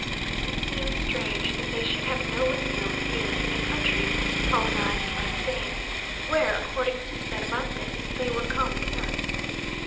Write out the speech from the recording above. It seems strange that they should have no windmills here, in a country colonized by Spain, where, according to Cervantes, they were common enough.